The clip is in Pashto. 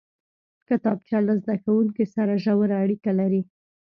کتابچه له زده کوونکي سره ژوره اړیکه لري